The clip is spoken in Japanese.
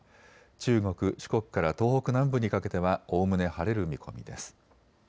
中国、四国から東北南部にかけてはおおむね晴れる見込みです。